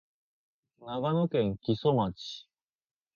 長野県木曽町